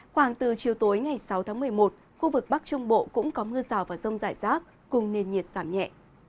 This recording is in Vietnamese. khoảng từ chiều tối ngày sáu tháng một mươi một khu vực bắc trung bộ cũng có mưa rào và rông rải rác cùng nền nhiệt giảm nhẹ